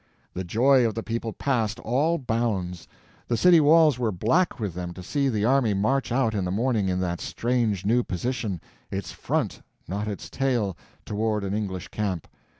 The joy of the people passed all bounds. The city walls were black with them to see the army march out in the morning in that strange new position—its front, not its tail, toward an English camp.